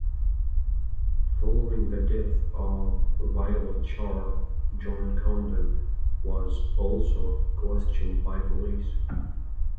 Following the death of Violet Sharp, John Condon was also questioned by police.